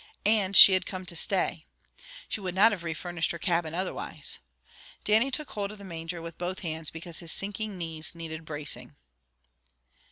And she had come to stay. She would not have refurnished her cabin otherwise. Dannie took hold of the manger with both hands, because his sinking knees needed bracing.